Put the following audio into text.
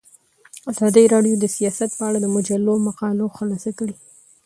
ازادي راډیو د سیاست په اړه د مجلو مقالو خلاصه کړې.